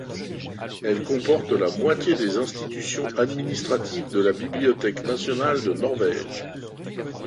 Elle comporte la moitié des institutions administratives de la bibliothèque nationale de Norvège.